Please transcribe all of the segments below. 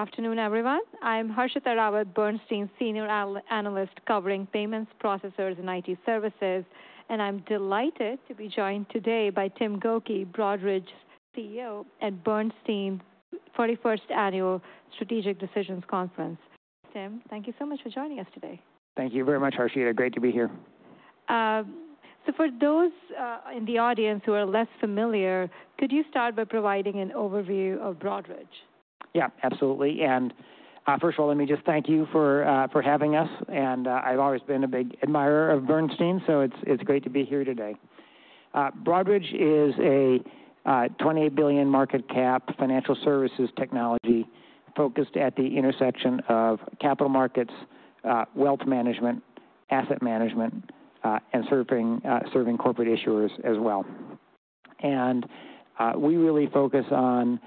Good afternoon, everyone. I'm Harshita Rawat Bernstein, Senior Analyst covering payments, processors, and IT services, and I'm delighted to be joined today by Tim Gokey, Broadridge CEO at Bernstein's 41st Annual Strategic Decisions Conference. Tim, thank you so much for joining us today. Thank you very much, Harshita. Great to be here. For those in the audience who are less familiar, could you start by providing an overview of Broadridge? Yeah, absolutely. First of all, let me just thank you for having us. I've always been a big admirer of Bernstein, so it's great to be here today. Broadridge is a $28 billion market cap financial services technology focused at the intersection of capital markets, wealth management, asset management, and serving corporate issuers as well. We really focus on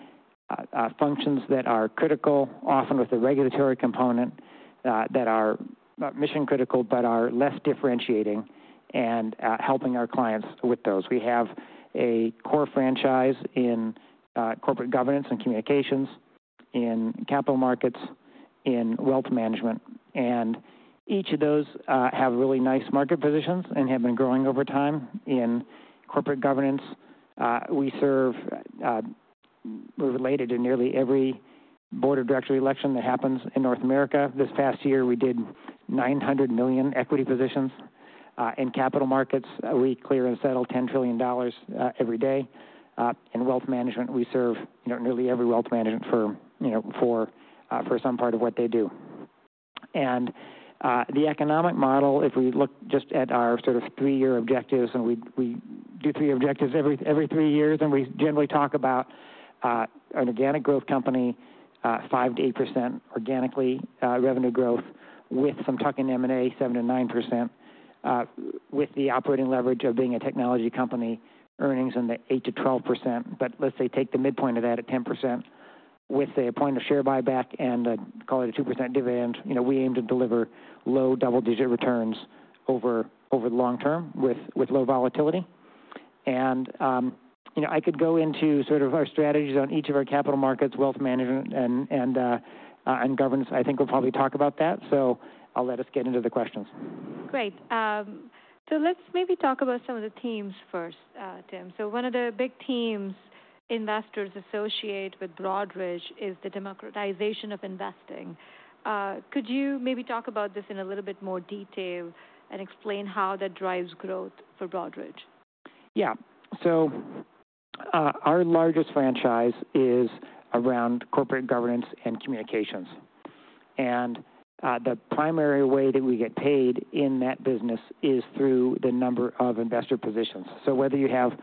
functions that are critical, often with a regulatory component, that are mission-critical but are less differentiating, and helping our clients with those. We have a core franchise in corporate governance and communications, in capital markets, in wealth management. Each of those have really nice market positions and have been growing over time. In corporate governance, we're related to nearly every board of director election that happens in North America. This past year, we did $900 million equity positions in capital markets. We clear and settle $10 trillion every day. In wealth management, we serve nearly every wealth management firm for some part of what they do. The economic model, if we look just at our sort of three-year objectives, and we do three objectives every three years, and we generally talk about an organic growth company, 5%-8% organic revenue growth, with some tuck-in M&A, 7%-9%, with the operating leverage of being a technology company, earnings in the 8%-12%. Let's say take the midpoint of that at 10%. With a point of share buyback and, call it, a 2% dividend, we aim to deliver low double-digit returns over the long term with low volatility. I could go into sort of our strategies on each of our capital markets, wealth management, and governance. I think we'll probably talk about that. I'll let us get into the questions. Great. Let's maybe talk about some of the themes first, Tim. One of the big themes investors associate with Broadridge is the democratization of investing. Could you maybe talk about this in a little bit more detail and explain how that drives growth for Broadridge? Yeah. Our largest franchise is around corporate governance and communications. The primary way that we get paid in that business is through the number of investor positions. Whether you have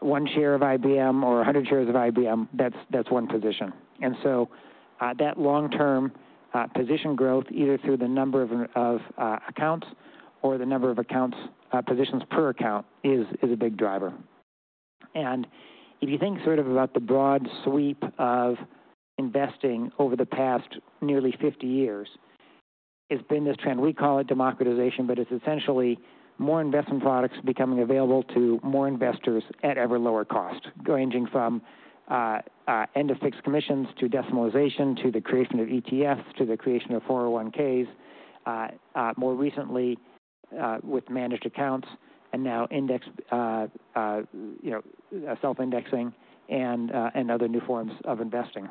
one share of IBM or 100 shares of IBM, that's one position. That long-term position growth, either through the number of accounts or the number of positions per account, is a big driver. If you think sort of about the broad sweep of investing over the past nearly 50 years, it's been this trend. We call it democratization, but it's essentially more investment products becoming available to more investors at ever lower cost, ranging from end-of-fixed commissions to decimalization to the creation of ETFs to the creation of 401(k)s, more recently with managed accounts and now self-indexing and other new forms of investing.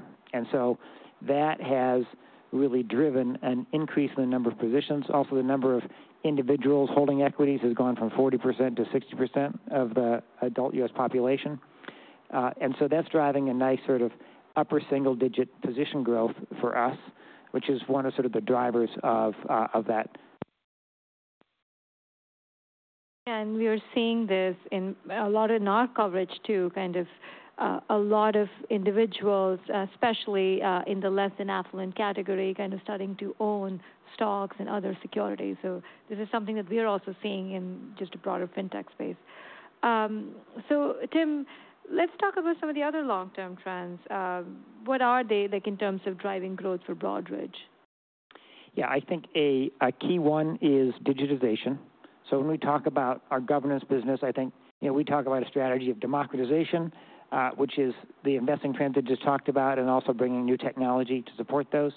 That has really driven an increase in the number of positions. Also, the number of individuals holding equities has gone from 40%-60% of the adult U.S. population. That is driving a nice sort of upper single-digit position growth for us, which is one of sort of the drivers of that. Yeah, and we were seeing this a lot in our coverage, too, kind of a lot of individuals, especially in the less-than-affluent category, kind of starting to own stocks and other securities. This is something that we are also seeing in just a broader fintech space. Tim, let's talk about some of the other long-term trends. What are they in terms of driving growth for Broadridge? Yeah, I think a key one is digitization. When we talk about our governance business, I think we talk about a strategy of democratization, which is the investing trends I just talked about and also bringing new technology to support those,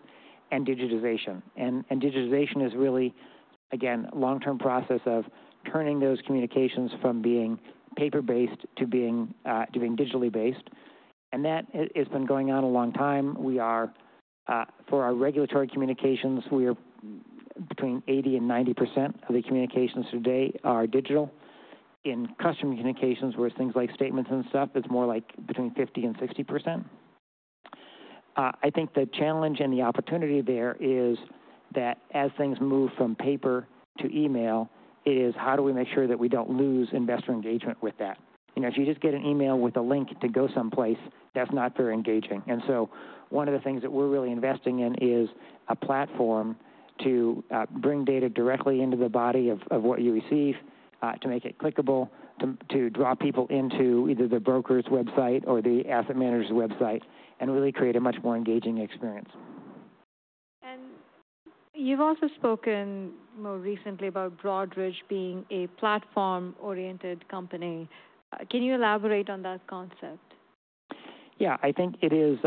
and digitization. Digitization is really, again, a long-term process of turning those communications from being paper-based to being digitally based. That has been going on a long time. For our regulatory communications, between 80% and 90% of the communications today are digital. In customer communications, where it is things like statements and stuff, it is more like between 50% and 60%. I think the challenge and the opportunity there is that as things move from paper to email, it is how do we make sure that we do not lose investor engagement with that. If you just get an email with a link to go someplace, that is not very engaging. One of the things that we're really investing in is a platform to bring data directly into the body of what you receive, to make it clickable, to draw people into either the broker's website or the asset manager's website, and really create a much more engaging experience. You've also spoken more recently about Broadridge being a platform-oriented company. Can you elaborate on that concept? Yeah, I think it is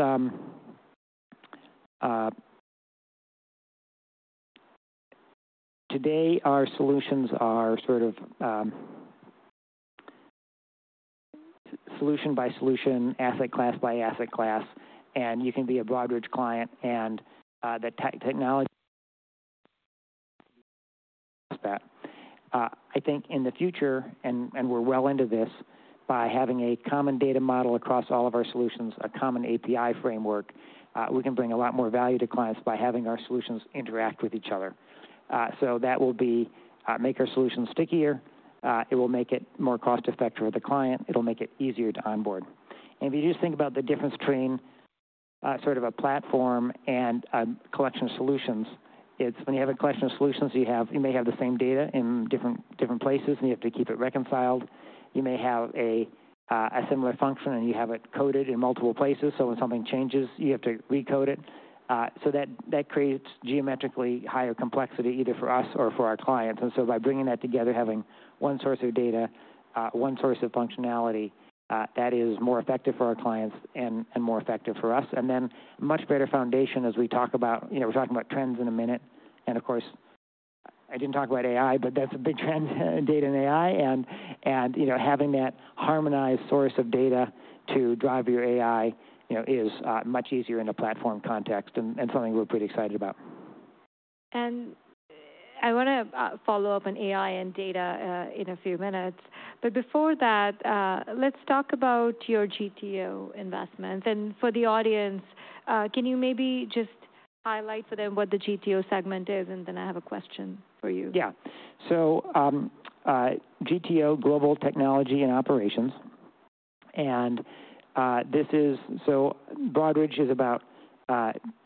today, our solutions are sort of solution by solution, asset class by asset class, and you can be a Broadridge client and the technology that. I think in the future, and we're well into this, by having a common data model across all of our solutions, a common API framework, we can bring a lot more value to clients by having our solutions interact with each other. That will make our solutions stickier. It will make it more cost-effective for the client. It'll make it easier to onboard. If you just think about the difference between sort of a platform and a collection of solutions, it's when you have a collection of solutions, you may have the same data in different places, and you have to keep it reconciled. You may have a similar function, and you have it coded in multiple places. When something changes, you have to recode it. That creates geometrically higher complexity either for us or for our clients. By bringing that together, having one source of data, one source of functionality, that is more effective for our clients and more effective for us. It is a much better foundation as we talk about, we're talking about trends in a minute. Of course, I didn't talk about AI, but that's a big trend in data and AI. Having that harmonized source of data to drive your AI is much easier in a platform context and something we're pretty excited about. I want to follow up on AI and data in a few minutes. Before that, let's talk about your GTO investments. For the audience, can you maybe just highlight for them what the GTO segment is? I have a question for you. Yeah. GTO, Global Technology and Operations. Broadridge is about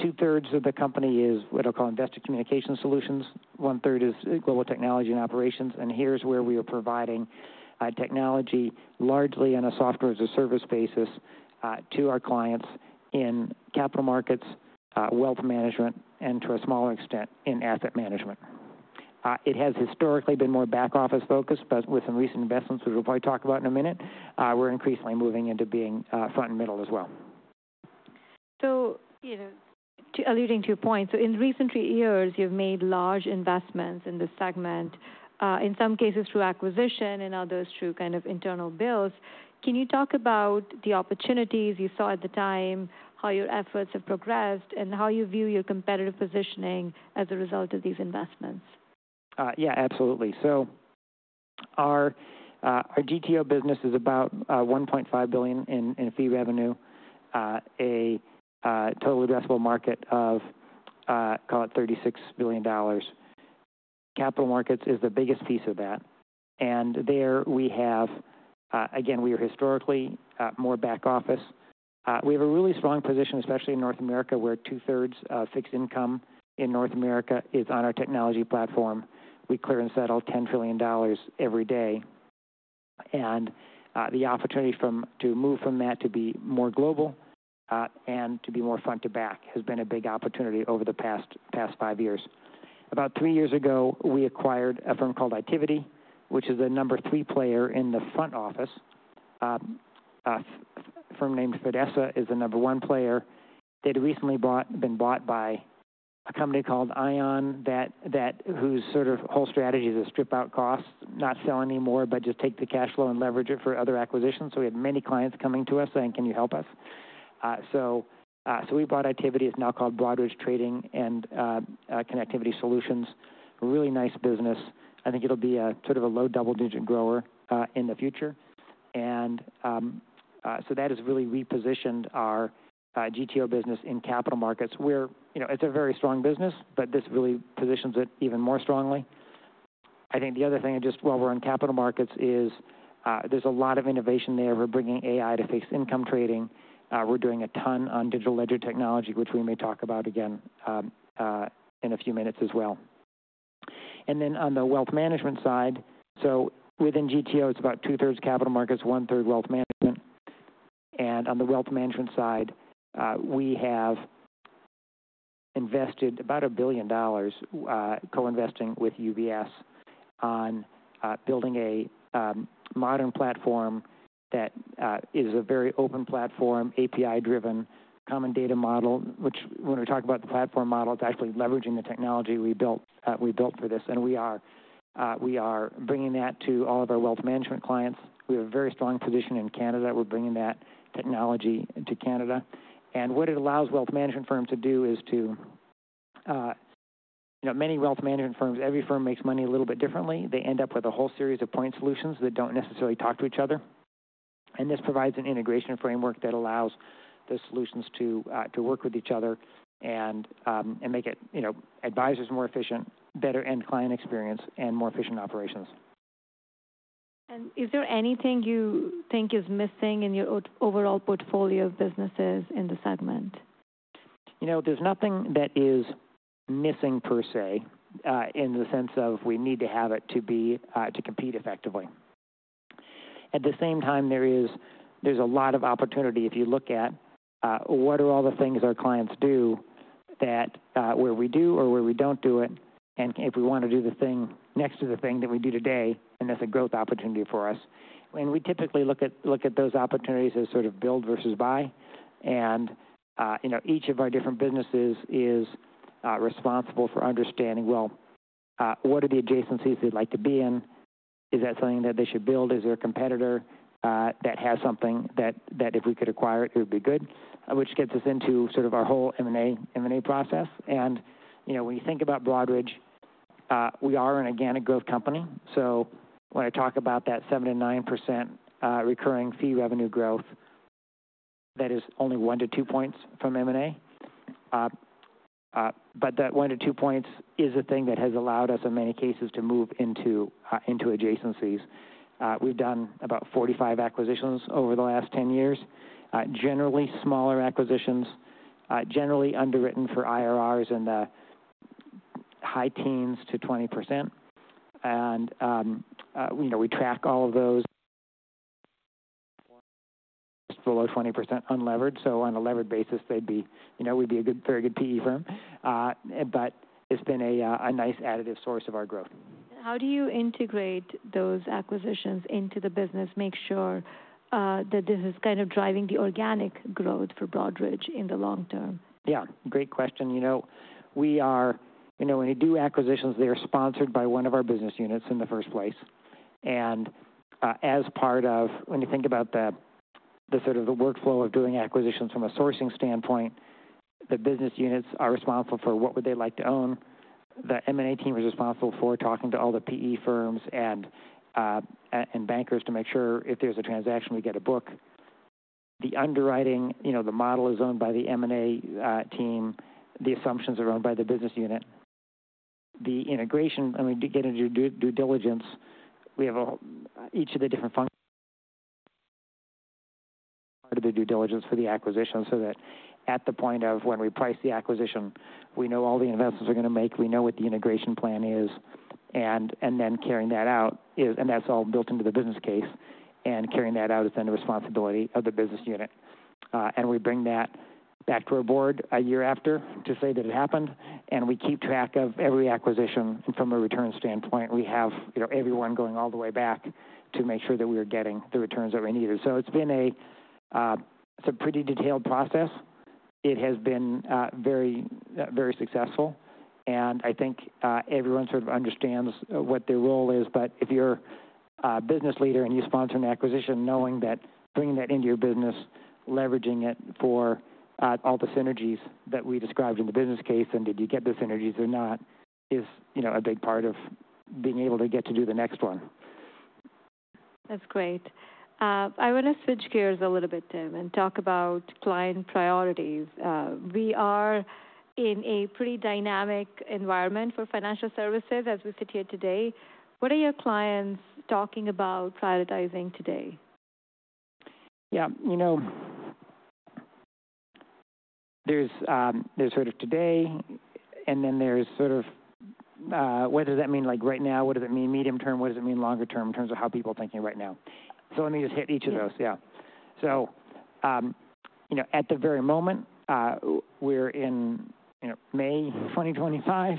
two-thirds of the company is what I'll call investor communication solutions. One-third is Global Technology and Operations. Here's where we are providing technology largely on a software-as-a-service basis to our clients in capital markets, wealth management, and to a smaller extent in asset management. It has historically been more back-office focused, but with some recent investments, which we'll probably talk about in a minute, we're increasingly moving into being front and middle as well. Alluding to your point, in recent years, you've made large investments in this segment, in some cases through acquisition and others through kind of internal builds. Can you talk about the opportunities you saw at the time, how your efforts have progressed, and how you view your competitive positioning as a result of these investments? Yeah, absolutely. Our GTO business is about $1.5 billion in fee revenue, a total addressable market of, call it, $36 billion. Capital markets is the biggest piece of that. There we have, again, we are historically more back-office. We have a really strong position, especially in North America, where two-thirds of fixed income in North America is on our technology platform. We clear and settle $10 trillion every day. The opportunity to move from that to be more global and to be more front-to-back has been a big opportunity over the past five years. About three years ago, we acquired a firm called Activity, which is the number three player in the front office. A firm named Fidessa is the number one player. They'd recently been bought by a company called ION, whose sort of whole strategy is to strip out costs, not sell anymore, but just take the cash flow and leverage it for other acquisitions. We had many clients coming to us saying, "Can you help us?" We bought Activity. It's now called Broadridge Trading and Connectivity Solutions. Really nice business. I think it'll be sort of a low double-digit grower in the future. That has really repositioned our GTO business in capital markets, where it's a very strong business, but this really positions it even more strongly. I think the other thing, just while we're on capital markets, is there's a lot of innovation there. We're bringing AI to fixed income trading. We're doing a ton on digital ledger technology, which we may talk about again in a few minutes as well. On the wealth management side, within GTO, it's about two-thirds capital markets, one-third wealth management. On the wealth management side, we have invested about $1 billion co-investing with UBS on building a modern platform that is a very open platform, API-driven, common data model, which, when we talk about the platform model, is actually leveraging the technology we built for this. We are bringing that to all of our wealth management clients. We have a very strong position in Canada. We are bringing that technology to Canada. What it allows wealth management firms to do is, many wealth management firms, every firm makes money a little bit differently. They end up with a whole series of point solutions that do not necessarily talk to each other. This provides an integration framework that allows the solutions to work with each other and make advisors more efficient, better end client experience, and more efficient operations. Is there anything you think is missing in your overall portfolio of businesses in the segment? There's nothing that is missing per se in the sense of we need to have it to compete effectively. At the same time, there's a lot of opportunity if you look at what are all the things our clients do that where we do or where we do not do it. If we want to do the thing next to the thing that we do today, that's a growth opportunity for us. We typically look at those opportunities as sort of build versus buy. Each of our different businesses is responsible for understanding, well, what are the adjacencies they'd like to be in? Is that something that they should build? Is there a competitor that has something that if we could acquire it, it would be good? Which gets us into sort of our whole M&A process. When you think about Broadridge, we are an organic growth company. When I talk about that 7%-9% recurring fee revenue growth, that is only one to two points from M&A. That one to two points is a thing that has allowed us in many cases to move into adjacencies. We've done about 45 acquisitions over the last 10 years, generally smaller acquisitions, generally underwritten for IRRs in the high teens to 20%. We track all of those below 20% unlevered. On a levered basis, we'd be a very good PE firm. It's been a nice additive source of our growth. How do you integrate those acquisitions into the business, make sure that this is kind of driving the organic growth for Broadridge in the long term? Yeah, great question. You know, when you do acquisitions, they are sponsored by one of our business units in the first place. And as part of when you think about sort of the workflow of doing acquisitions from a sourcing standpoint, the business units are responsible for what would they like to own. The M&A team is responsible for talking to all the PE firms and bankers to make sure if there's a transaction, we get a book. The underwriting, the model is owned by the M&A team. The assumptions are owned by the business unit. The integration, when we get into due diligence, we have each of the different parts of the due diligence for the acquisition so that at the point of when we price the acquisition, we know all the investments we're going to make. We know what the integration plan is. Carrying that out is all built into the business case. Carrying that out is then the responsibility of the business unit. We bring that back to our board a year after to say that it happened. We keep track of every acquisition. From a return standpoint, we have everyone going all the way back to make sure that we are getting the returns that we needed. It has been a pretty detailed process. It has been very successful. I think everyone sort of understands what their role is. If you're a business leader and you sponsor an acquisition, knowing that bringing that into your business, leveraging it for all the synergies that we described in the business case and did you get the synergies or not is a big part of being able to get to do the next one. That's great. I want to switch gears a little bit, Tim, and talk about client priorities. We are in a pretty dynamic environment for financial services as we sit here today. What are your clients talking about prioritizing today? Yeah. There's sort of today, and then there's sort of what does that mean right now? What does it mean medium term? What does it mean longer term in terms of how people are thinking right now? Let me just hit each of those. Yeah. At the very moment, we're in May 2025,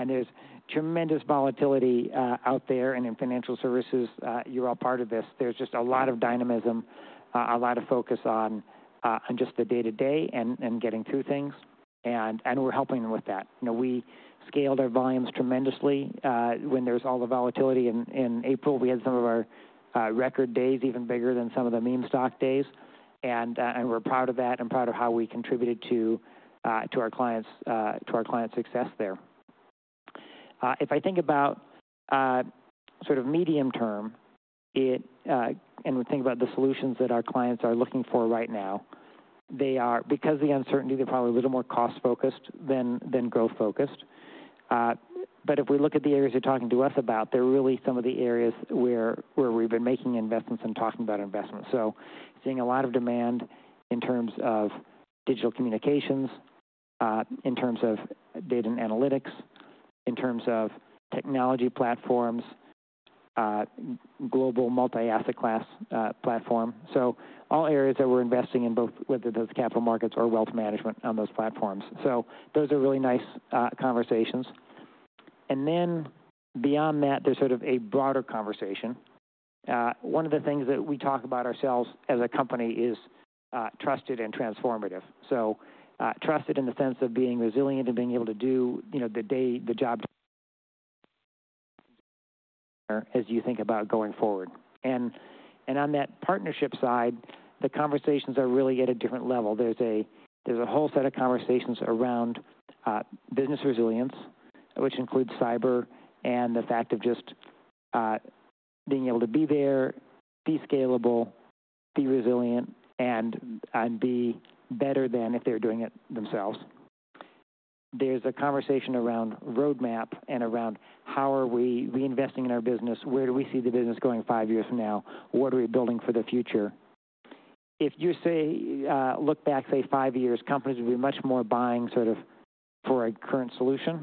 and there's tremendous volatility out there. In financial services, you're all part of this. There's just a lot of dynamism, a lot of focus on just the day-to-day and getting through things. We're helping them with that. We scaled our volumes tremendously. When there's all the volatility in April, we had some of our record days, even bigger than some of the meme stock days. We're proud of that and proud of how we contributed to our clients' success there. If I think about sort of medium term and we think about the solutions that our clients are looking for right now, because of the uncertainty, they're probably a little more cost-focused than growth-focused. If we look at the areas you're talking to us about, they're really some of the areas where we've been making investments and talking about investments. Seeing a lot of demand in terms of digital communications, in terms of data and analytics, in terms of technology platforms, global multi-asset class platform. All areas that we're investing in, both whether those capital markets or wealth management on those platforms. Those are really nice conversations. Beyond that, there's sort of a broader conversation. One of the things that we talk about ourselves as a company is trusted and transformative. Trusted in the sense of being resilient and being able to do the job as you think about going forward. On that partnership side, the conversations are really at a different level. There is a whole set of conversations around business resilience, which includes cyber and the fact of just being able to be there, be scalable, be resilient, and be better than if they are doing it themselves. There is a conversation around roadmap and around how are we reinvesting in our business. Where do we see the business going five years from now. What are we building for the future. If you look back, say, five years, companies would be much more buying sort of for a current solution.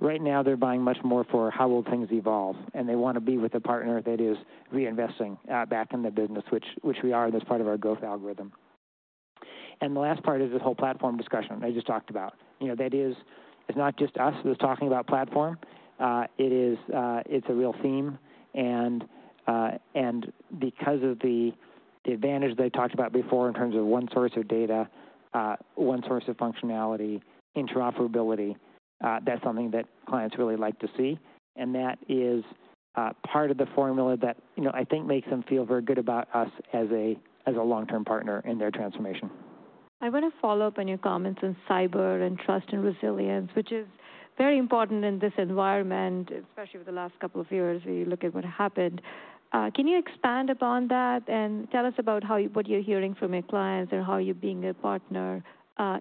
Right now, they are buying much more for how will things evolve. They want to be with a partner that is reinvesting back in the business, which we are, and that is part of our growth algorithm. The last part is this whole platform discussion I just talked about. It is not just us that is talking about platform. It is a real theme. Because of the advantage that I talked about before in terms of one source of data, one source of functionality, interoperability, that is something that clients really like to see. That is part of the formula that I think makes them feel very good about us as a long-term partner in their transformation. I want to follow up on your comments on cyber and trust and resilience, which is very important in this environment, especially with the last couple of years where you look at what happened. Can you expand upon that and tell us about what you're hearing from your clients and how you're being a partner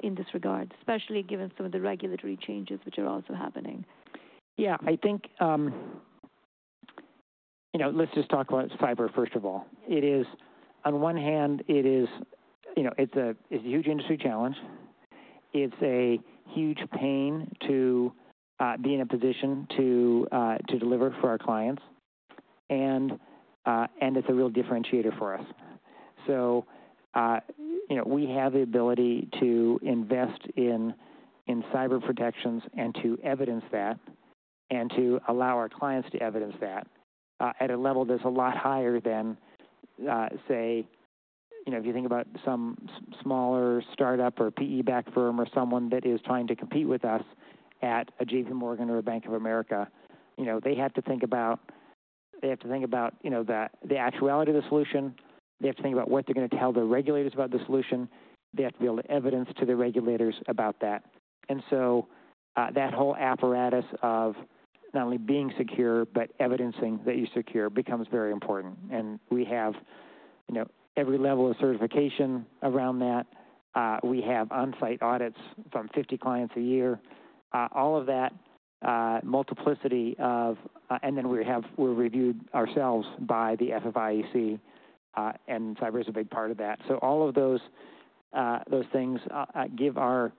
in this regard, especially given some of the regulatory changes which are also happening? Yeah. I think let's just talk about cyber first of all. On one hand, it's a huge industry challenge. It's a huge pain to be in a position to deliver for our clients. And it's a real differentiator for us. We have the ability to invest in cyber protections and to evidence that and to allow our clients to evidence that at a level that's a lot higher than, say, if you think about some smaller startup or PE backed firm or someone that is trying to compete with us at a J.P. Morgan or a Bank of America. They have to think about the actuality of the solution. They have to think about what they're going to tell the regulators about the solution. They have to be able to evidence to the regulators about that. That whole apparatus of not only being secure, but evidencing that you're secure becomes very important. We have every level of certification around that. We have on-site audits from 50 clients a year. All of that multiplicity of, and then we're reviewed ourselves by the FFIEC. Cyber is a big part of that. All of those things give our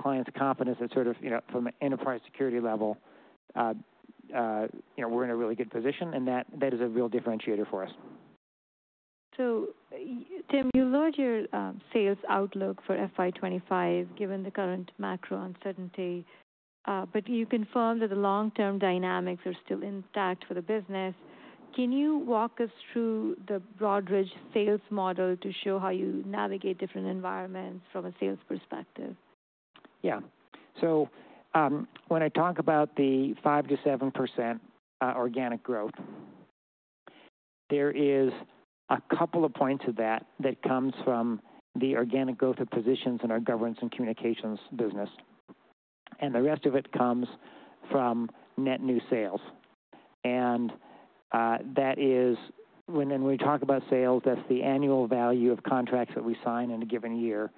clients confidence that sort of from an enterprise security level, we're in a really good position. That is a real differentiator for us. Tim, you lowered your sales outlook for FY2025 given the current macro uncertainty. But you confirmed that the long-term dynamics are still intact for the business. Can you walk us through the Broadridge sales model to show how you navigate different environments from a sales perspective? Yeah. When I talk about the 5%-7% organic growth, there is a couple of points of that that comes from the organic growth of positions in our governance and communications business. The rest of it comes from net new sales. That is, when we talk about sales, that's the annual value of contracts that we sign in a given year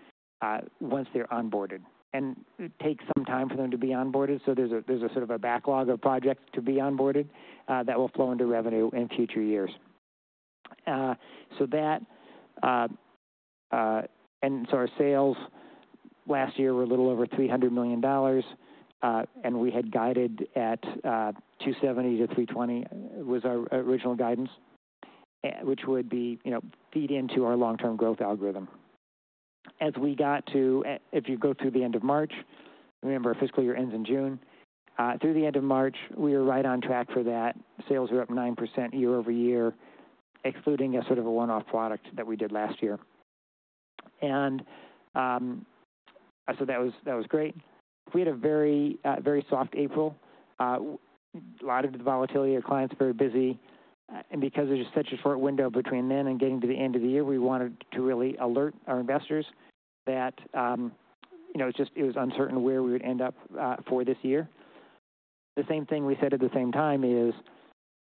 once they're onboarded. It takes some time for them to be onboarded. There is a sort of a backlog of projects to be onboarded that will flow into revenue in future years. Our sales last year were a little over $300 million. We had guided at $270 million-$320 million was our original guidance, which would feed into our long-term growth algorithm. As you go through the end of March, remember our fiscal year ends in June. Through the end of March, we were right on track for that. Sales were up 9% year-over-year, excluding a sort of a one-off product that we did last year. That was great. We had a very soft April. A lot of the volatility, our clients are very busy. Because there is just such a short window between then and getting to the end of the year, we wanted to really alert our investors that it was uncertain where we would end up for this year. The same thing we said at the same time is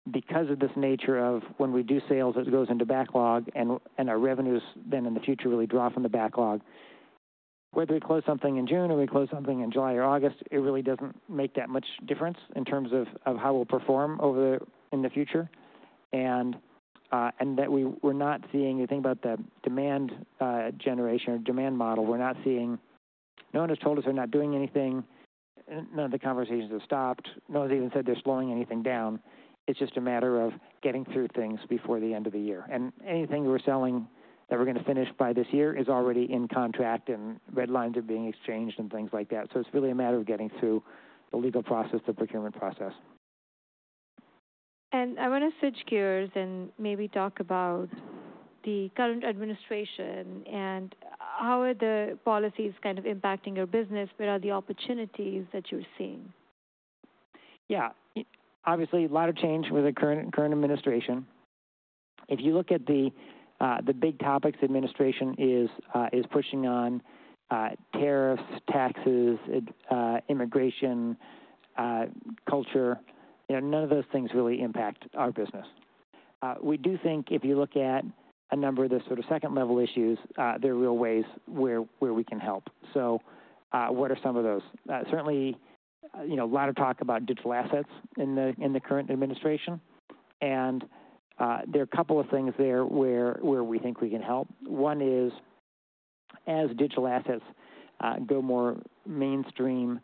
because of this nature of when we do sales, it goes into backlog. Our revenues then in the future really drop from the backlog. Whether we close something in June or we close something in July or August, it really does not make that much difference in terms of how we will perform in the future. We are not seeing anything about the demand generation or demand model. We are not seeing no one has told us they are not doing anything. None of the conversations have stopped. No one has even said they are slowing anything down. It is just a matter of getting through things before the end of the year. Anything we are selling that we are going to finish by this year is already in contract and red lines are being exchanged and things like that. It is really a matter of getting through the legal process, the procurement process. I want to switch gears and maybe talk about the current administration and how are the policies kind of impacting your business? What are the opportunities that you're seeing? Yeah. Obviously, a lot of change with the current administration. If you look at the big topics the administration is pushing on: tariffs, taxes, immigration, culture. None of those things really impact our business. We do think if you look at a number of the sort of second-level issues, there are real ways where we can help. What are some of those? Certainly, a lot of talk about digital assets in the current administration. There are a couple of things there where we think we can help. One is as digital assets go more mainstream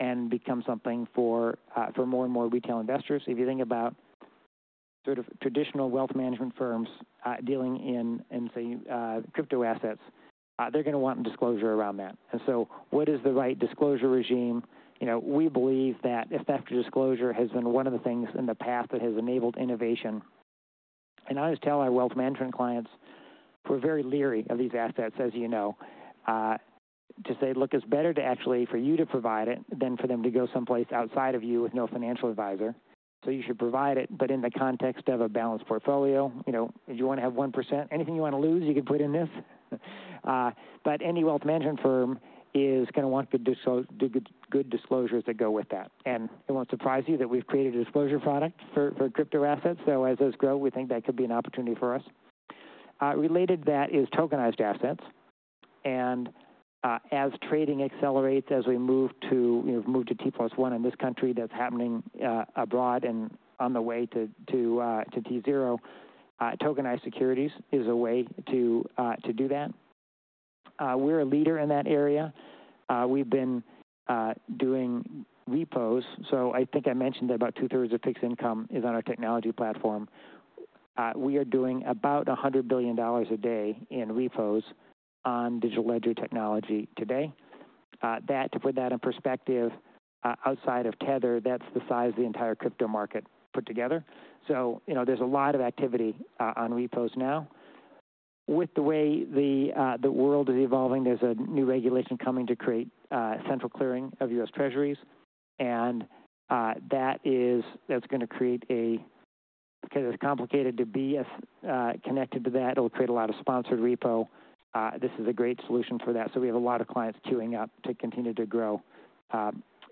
and become something for more and more retail investors, if you think about sort of traditional wealth management firms dealing in, say, crypto assets, they're going to want disclosure around that. What is the right disclosure regime? We believe that effective disclosure has been one of the things in the past that has enabled innovation. I always tell our wealth management clients, we're very leery of these assets, as you know, to say, "Look, it's better for you to provide it than for them to go someplace outside of you with no financial advisor." You should provide it, but in the context of a balanced portfolio. You want to have 1%? Anything you want to lose, you can put in this. Any wealth management firm is going to want good disclosures that go with that. It won't surprise you that we've created a disclosure product for crypto assets. As those grow, we think that could be an opportunity for us. Related to that is tokenized assets. As trading accelerates, as we move to T+1 in this country, that's happening abroad and on the way to T zero, tokenized securities is a way to do that. We're a leader in that area. We've been doing repos. I think I mentioned that about two-thirds of fixed income is on our technology platform. We are doing about $100 billion a day in repos on digital ledger technology today. To put that in perspective, outside of Tether, that's the size of the entire crypto market put together. There is a lot of activity on repos now. With the way the world is evolving, there is a new regulation coming to create central clearing of U.S. Treasuries. That is going to create a, because it's complicated to be connected to that, it'll create a lot of sponsored repo. This is a great solution for that. We have a lot of clients queuing up to continue to grow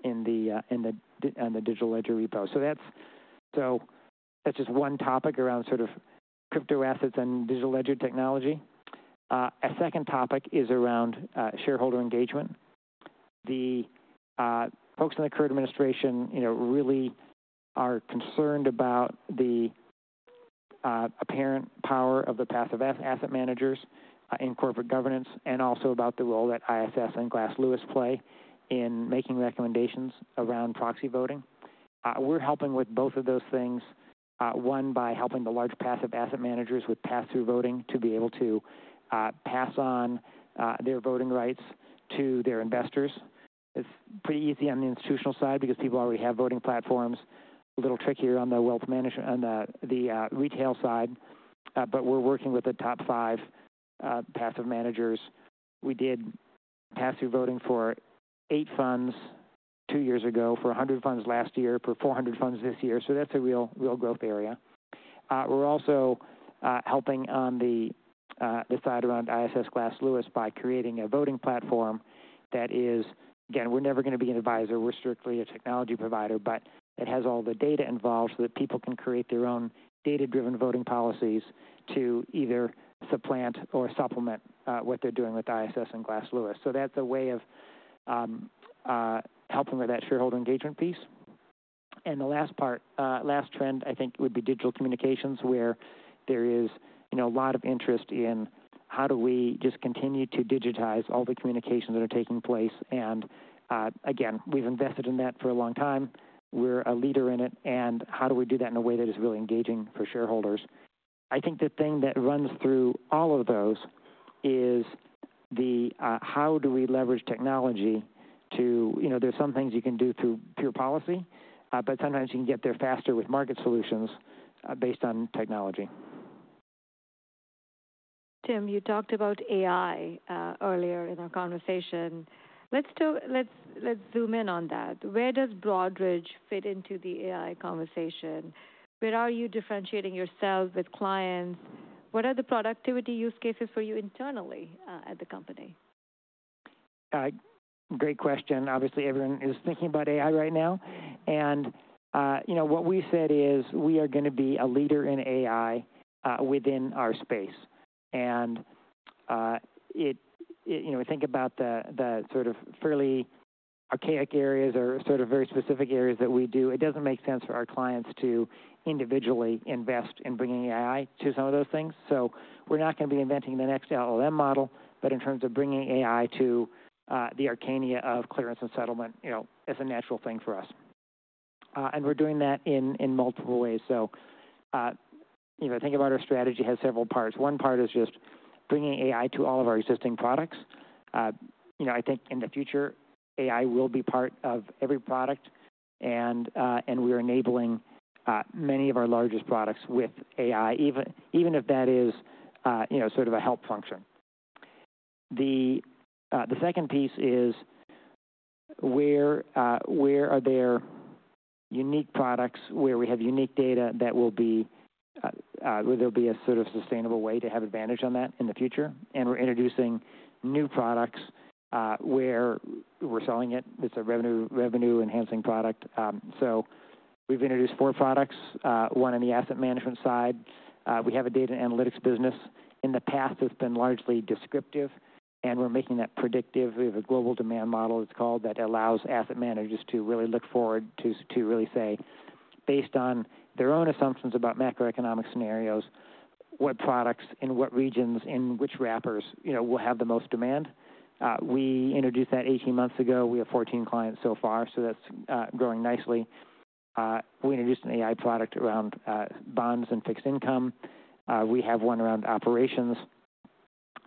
in the digital ledger repo. That is just one topic around sort of crypto assets and digital ledger technology. A second topic is around shareholder engagement. The folks in the current administration really are concerned about the apparent power of the path of asset managers in corporate governance and also about the role that ISS and Glass Lewis play in making recommendations around proxy voting. We are helping with both of those things, one by helping the large path of asset managers with pass-through voting to be able to pass on their voting rights to their investors. It is pretty easy on the institutional side because people already have voting platforms. A little trickier on the retail side. We are working with the top five path of managers. We did pass-through voting for eight funds two years ago, for 100 funds last year, for 400 funds this year. That's a real growth area. We're also helping on the side around ISS, Glass Lewis by creating a voting platform that is, again, we're never going to be an advisor. We're strictly a technology provider, but it has all the data involved so that people can create their own data-driven voting policies to either supplant or supplement what they're doing with ISS and Glass Lewis. That's a way of helping with that shareholder engagement piece. The last trend, I think, would be digital communications, where there is a lot of interest in how do we just continue to digitize all the communications that are taking place. Again, we've invested in that for a long time. We're a leader in it. How do we do that in a way that is really engaging for shareholders? I think the thing that runs through all of those is how do we leverage technology to, there are some things you can do through pure policy, but sometimes you can get there faster with market solutions based on technology. Tim, you talked about AI earlier in our conversation. Let's zoom in on that. Where does Broadridge fit into the AI conversation? Where are you differentiating yourself with clients? What are the productivity use cases for you internally at the company? Great question. Obviously, everyone is thinking about AI right now. What we said is we are going to be a leader in AI within our space. Think about the sort of fairly archaic areas or sort of very specific areas that we do. It does not make sense for our clients to individually invest in bringing AI to some of those things. We are not going to be inventing the next LLM model, but in terms of bringing AI to the arcana of clearance and settlement, it is a natural thing for us. We are doing that in multiple ways. Think about our strategy as having several parts. One part is just bringing AI to all of our existing products. I think in the future, AI will be part of every product. We're enabling many of our largest products with AI, even if that is sort of a help function. The second piece is where are there unique products where we have unique data that will be where there'll be a sort of sustainable way to have advantage on that in the future. We're introducing new products where we're selling it. It's a revenue-enhancing product. We've introduced four products, one on the asset management side. We have a data analytics business. In the past, it's been largely descriptive. We're making that predictive. We have a Global Demand Model, it's called, that allows asset managers to really look forward to really say, based on their own assumptions about macroeconomic scenarios, what products in what regions, in which wrappers will have the most demand. We introduced that 18 months ago. We have 14 clients so far. That's growing nicely. We introduced an AI product around bonds and fixed income. We have one around operations.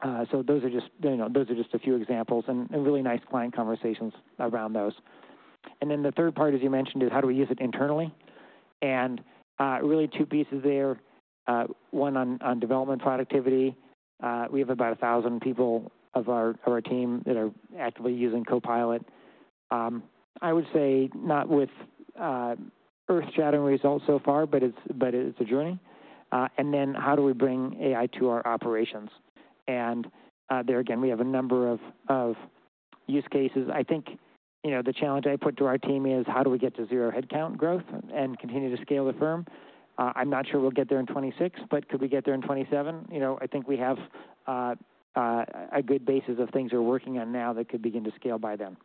Those are just a few examples and really nice client conversations around those. The third part, as you mentioned, is how do we use it internally? Really two pieces there. One on development productivity. We have about 1,000 people of our team that are actively using Copilot. I would say not with earth-shattering results so far, but it's a journey. How do we bring AI to our operations? There, again, we have a number of use cases. I think the challenge I put to our team is how do we get to zero headcount growth and continue to scale the firm? I'm not sure we'll get there in 2026, but could we get there in 2027? I think we have a good basis of things we're working on now that could begin to scale by then.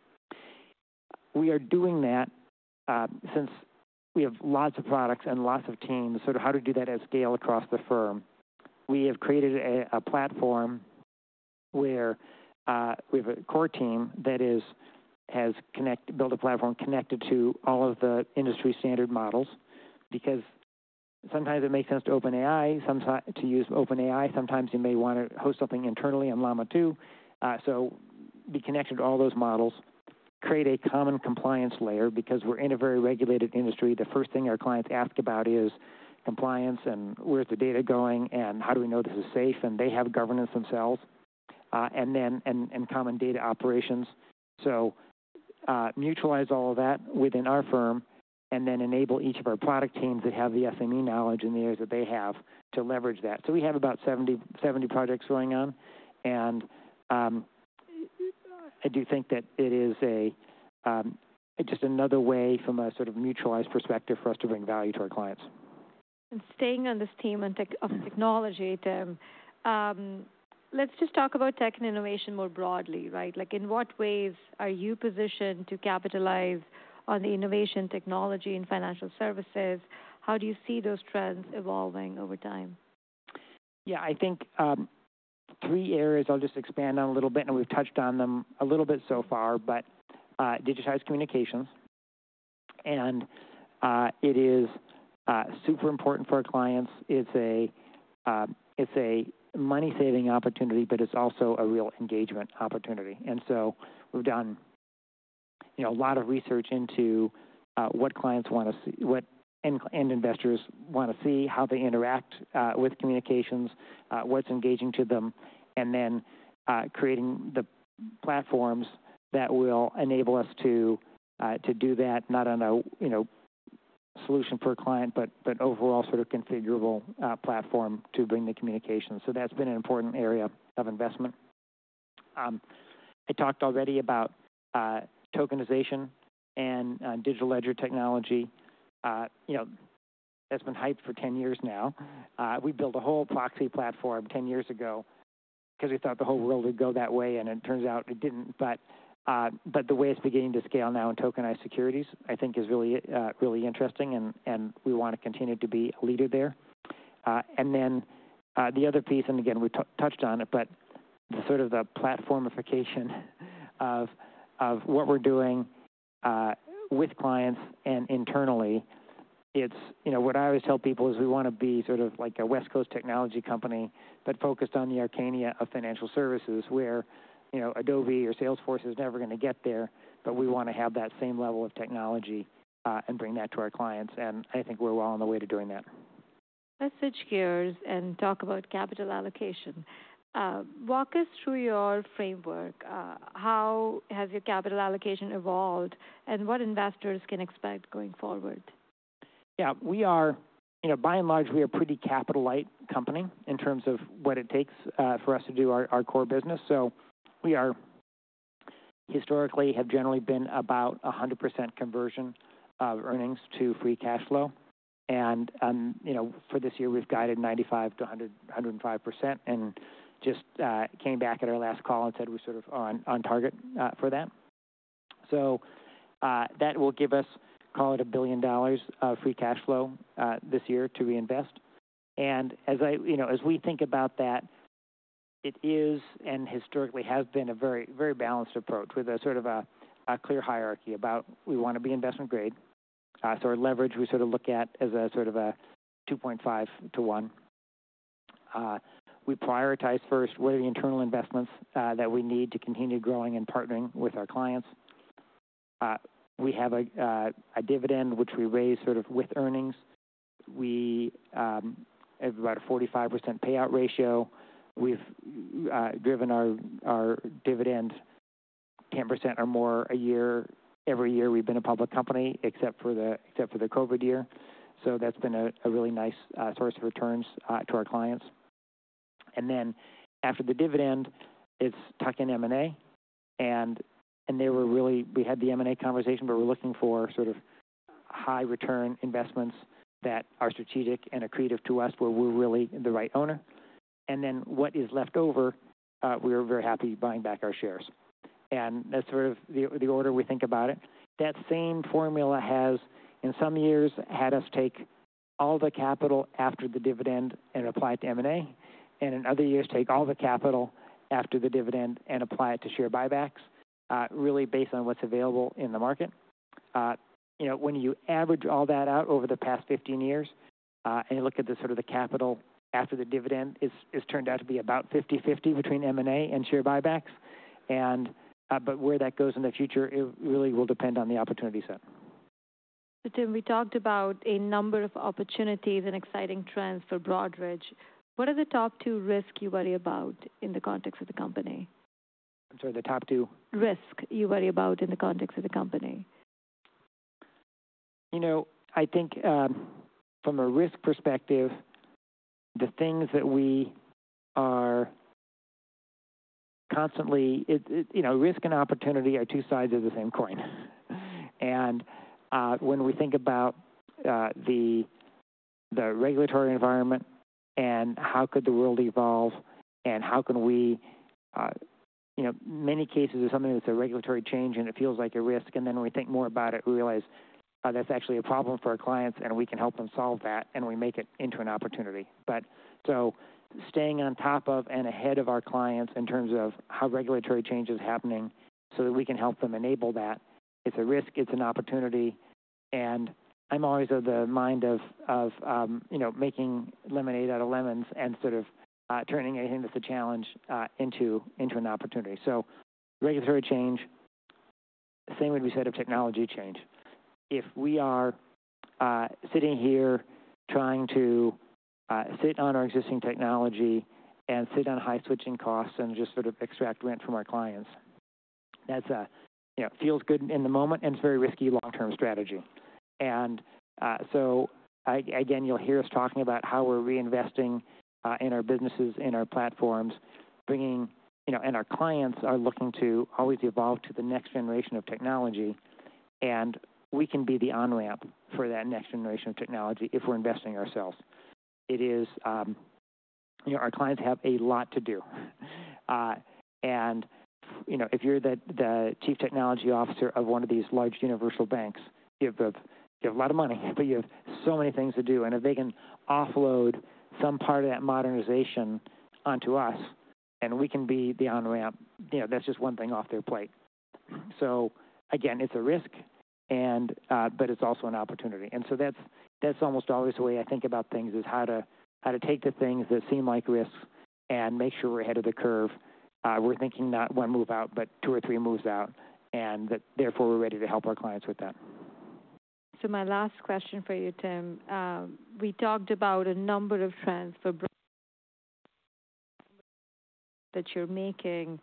We are doing that since we have lots of products and lots of teams. How do we do that at scale across the firm? We have created a platform where we have a core team that has built a platform connected to all of the industry standard models. Because sometimes it makes sense to use OpenAI. Sometimes you may want to host something internally on Llama 2. Be connected to all those models. Create a common compliance layer because we're in a very regulated industry. The first thing our clients ask about is compliance and where's the data going and how do we know this is safe? They have governance themselves and common data operations. Mutualize all of that within our firm and then enable each of our product teams that have the SME knowledge in the areas that they have to leverage that. We have about 70 projects going on. I do think that it is just another way from a sort of mutualized perspective for us to bring value to our clients. Staying on this theme of technology, Tim, let's just talk about tech and innovation more broadly, right? In what ways are you positioned to capitalize on the innovation, technology, and financial services? How do you see those trends evolving over time? Yeah, I think three areas I'll just expand on a little bit, and we've touched on them a little bit so far, but digitized communications. It is super important for our clients. It's a money-saving opportunity, but it's also a real engagement opportunity. We've done a lot of research into what clients want to see, what end investors want to see, how they interact with communications, what's engaging to them, and then creating the platforms that will enable us to do that, not on a solution per client, but overall sort of configurable platform to bring the communications. That's been an important area of investment. I talked already about tokenization and digital ledger technology. That's been hyped for 10 years now. We built a whole proxy platform 10 years ago because we thought the whole world would go that way. It turns out it didn't. The way it's beginning to scale now in tokenized securities, I think, is really interesting, and we want to continue to be a leader there. The other piece, and again, we touched on it, but sort of the platformification of what we're doing with clients and internally. What I always tell people is we want to be sort of like a West Coast technology company, but focused on the Arcana of financial services, where Adobe or Salesforce is never going to get there, but we want to have that same level of technology and bring that to our clients. I think we're well on the way to doing that. Message gears and talk about capital allocation. Walk us through your framework. How has your capital allocation evolved, and what investors can expect going forward? Yeah, by and large, we are a pretty capital-light company in terms of what it takes for us to do our core business. So we historically have generally been about 100% conversion of earnings to free cash flow. And for this year, we've guided 95%-105% and just came back at our last call and said we're sort of on target for that. That will give us, call it $1 billion of free cash flow this year to reinvest. As we think about that, it is and historically has been a very balanced approach with a sort of a clear hierarchy about we want to be investment grade. Our leverage, we sort of look at as a sort of a 2.5-1. We prioritize first what are the internal investments that we need to continue growing and partnering with our clients. We have a dividend, which we raise sort of with earnings. We have about a 45% payout ratio. We've driven our dividend 10% or more a year. Every year, we've been a public company, except for the COVID year. That's been a really nice source of returns to our clients. After the dividend, it's tuck-in M&A. We had the M&A conversation, but we're looking for sort of high return investments that are strategic and accretive to us where we're really the right owner. What is left over, we are very happy buying back our shares. That's sort of the order we think about it. That same formula has, in some years, had us take all the capital after the dividend and apply it to M&A. In other years, take all the capital after the dividend and apply it to share buybacks, really based on what's available in the market. When you average all that out over the past 15 years and you look at sort of the capital after the dividend, it's turned out to be about 50/50 between M&A and share buybacks. Where that goes in the future really will depend on the opportunity set. Tim, we talked about a number of opportunities and exciting trends for Broadridge. What are the top two risks you worry about in the context of the company? I'm sorry, the top two? Risk you worry about in the context of the company? I think from a risk perspective, the things that we are constantly risk and opportunity are two sides of the same coin. When we think about the regulatory environment and how could the world evolve and how can we, in many cases there's something that's a regulatory change and it feels like a risk. When we think more about it, we realize that's actually a problem for our clients and we can help them solve that and we make it into an opportunity. Staying on top of and ahead of our clients in terms of how regulatory change is happening so that we can help them enable that. It's a risk. It's an opportunity. I'm always of the mind of making lemonade out of lemons and sort of turning anything that's a challenge into an opportunity. Regulatory change, same would be said of technology change. If we are sitting here trying to sit on our existing technology and sit on high switching costs and just sort of extract rent from our clients, that feels good in the moment and it is a very risky long-term strategy. You will hear us talking about how we are reinvesting in our businesses, in our platforms, and our clients are looking to always evolve to the next generation of technology. We can be the on-ramp for that next generation of technology if we are investing ourselves. Our clients have a lot to do. If you are the Chief Technology Officer of one of these large universal banks, you have a lot of money, but you have so many things to do. If they can offload some part of that modernization onto us and we can be the on-ramp, that's just one thing off their plate. Again, it's a risk, but it's also an opportunity. That's almost always the way I think about things, how to take the things that seem like risks and make sure we're ahead of the curve. We're thinking not one move out, but two or three moves out. Therefore, we're ready to help our clients with that. My last question for you, Tim. We talked about a number of trends that you're making.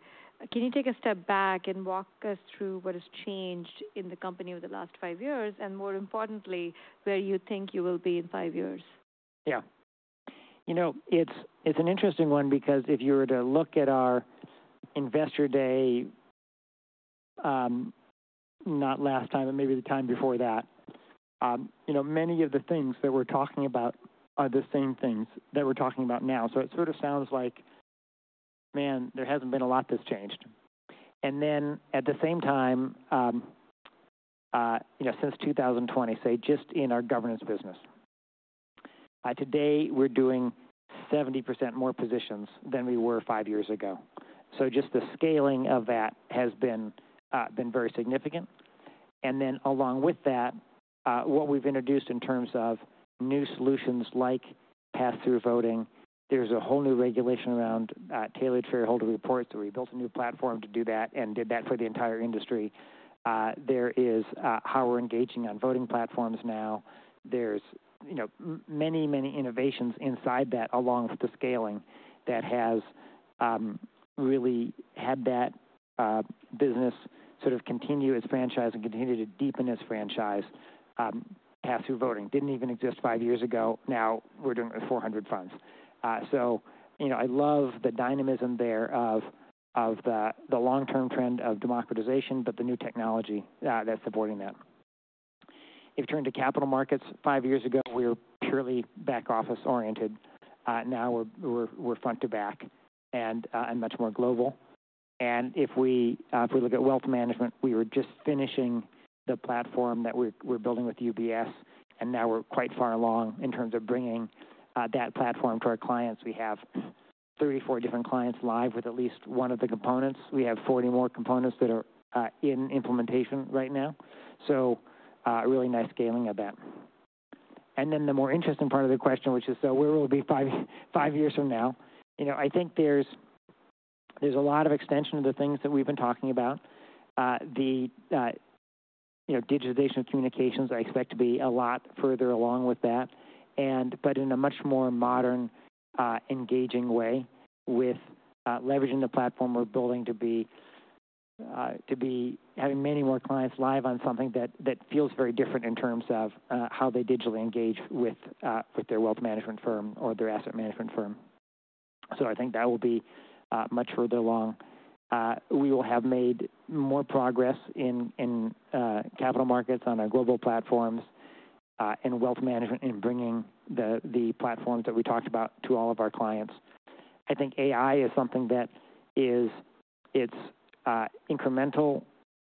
Can you take a step back and walk us through what has changed in the company over the last five years? And more importantly, where you think you will be in five years? Yeah. It's an interesting one because if you were to look at our investor day, not last time, but maybe the time before that, many of the things that we're talking about are the same things that we're talking about now. It sort of sounds like, man, there hasn't been a lot that's changed. At the same time, since 2020, say, just in our governance business, today we're doing 70% more positions than we were five years ago. Just the scaling of that has been very significant. Along with that, what we've introduced in terms of new solutions like pass-through voting, there's a whole new regulation around tailored shareholder reports. We built a new platform to do that and did that for the entire industry. There is how we're engaging on voting platforms now. There's many, many innovations inside that along with the scaling that has really had that business sort of continue its franchise and continue to deepen its franchise. Pass-through voting didn't even exist five years ago. Now we're doing it with 400 funds. I love the dynamism there of the long-term trend of democratization, but the new technology that's supporting that. If you turn to capital markets, five years ago, we were purely back office-oriented. Now we're front to back and much more global. If we look at wealth management, we were just finishing the platform that we're building with UBS. Now we're quite far along in terms of bringing that platform to our clients. We have 34 different clients live with at least one of the components. We have 40 more components that are in implementation right now. A really nice scaling of that. The more interesting part of the question, which is, where will we be five years from now? I think there is a lot of extension of the things that we have been talking about. The digitization of communications, I expect to be a lot further along with that, but in a much more modern, engaging way with leveraging the platform we are building to be having many more clients live on something that feels very different in terms of how they digitally engage with their wealth management firm or their asset management firm. I think that will be much further along. We will have made more progress in capital markets on our global platforms and wealth management and bringing the platforms that we talked about to all of our clients. I think AI is something that is incremental,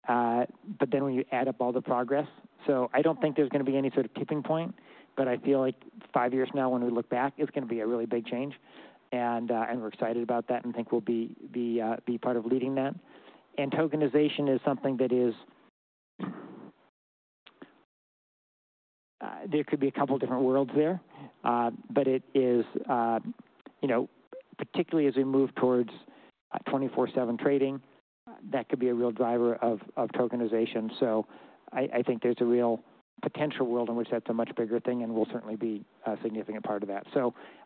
but then when you add up all the progress. I don't think there's going to be any sort of tipping point, but I feel like five years from now when we look back, it's going to be a really big change. We're excited about that and think we'll be part of leading that. Tokenization is something that is, there could be a couple of different worlds there, but it is, particularly as we move towards 24/7 trading, that could be a real driver of tokenization. I think there's a real potential world in which that's a much bigger thing and will certainly be a significant part of that.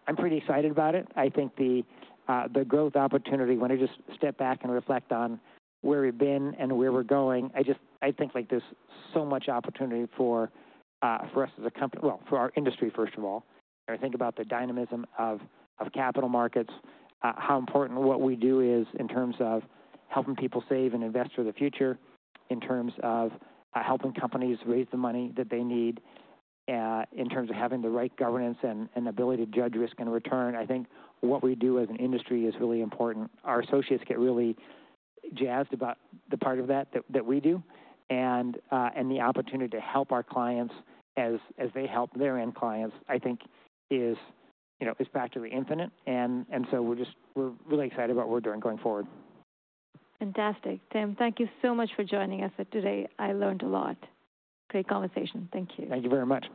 I'm pretty excited about it. I think the growth opportunity, when I just step back and reflect on where we've been and where we're going, I think there's so much opportunity for us as a company, well, for our industry, first of all. I think about the dynamism of capital markets, how important what we do is in terms of helping people save and invest for the future, in terms of helping companies raise the money that they need, in terms of having the right governance and ability to judge risk and return. I think what we do as an industry is really important. Our associates get really jazzed about the part of that that we do. The opportunity to help our clients as they help their end clients, I think, is practically infinite. We are really excited about what we are doing going forward. Fantastic. Tim, thank you so much for joining us today. I learned a lot. Great conversation. Thank you. Thank you very much.